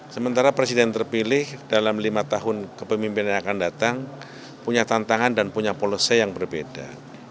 sementara presiden terpilih dalam lima tahun kepemimpinan yang akan datang punya tantangan dan punya policy yang berbeda